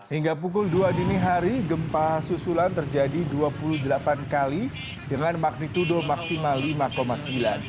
hingga pukul dua dini hari gempa susulan terjadi dua puluh delapan kali dengan magnitudo maksimal lima sembilan